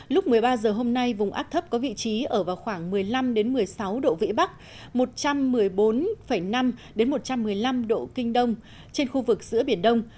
lúc một mươi ba h hôm nay vùng áp thấp có vị trí ở vào khoảng một mươi năm một mươi sáu độ vĩ bắc một trăm một mươi bốn năm một trăm một mươi năm độ kinh đông trên khu vực giữa biển đông